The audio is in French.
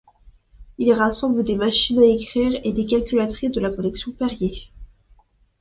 Il rassemble des machines à écrire et des calculatrices de la collection Perrier.